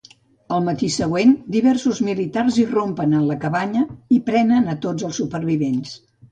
El matí següent, diversos militars irrompen en la cabanya i prenen a tots els supervivents.